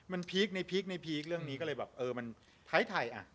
มันพีคในพีคในพีคเรื่องนี้ก็เลยแบบเออมันไทยอ่ะ